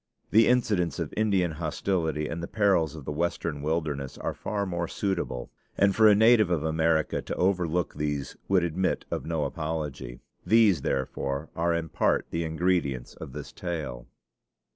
The incidents of Indian hostility and the perils of the Western wilderness are far more suitable, and for a native of America to overlook these would admit of no apology. These therefore are in part the ingredients of this tale."